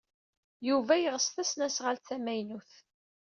Yuba yeɣs tasnasɣalt tamaynut.